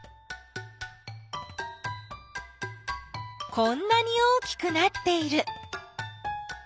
こんなに大きくなっている。